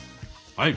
はい！